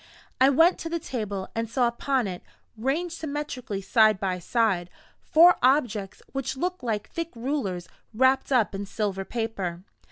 I went to the table, and saw upon it, ranged symmetrically side by side, four objects which looked like thick rulers wrapped up in silver paper.